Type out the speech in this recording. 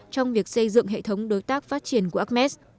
trong việc xây dựng hệ thống đối tác phát triển của acmes